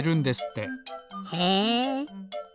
へえ。